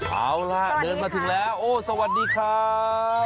เอาล่ะเดินมาถึงแล้วโอ้สวัสดีครับ